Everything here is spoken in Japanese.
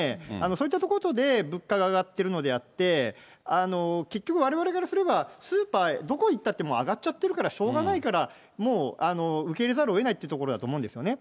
そういったことで物価が上がっているのであって、結局われわれからすれば、スーパー、どこへ行ったって上がっちゃってるから、しょうがないから、もう受け入れざるをえないというところだと思うんですよね。